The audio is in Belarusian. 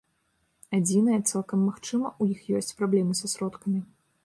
Адзінае, цалкам магчыма, у іх ёсць праблемы са сродкамі.